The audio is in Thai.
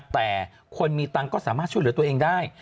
แต่คนมีตังค์ก็สามารถช่วยเหลือตัวเองได้